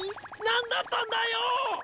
何だったんだよ！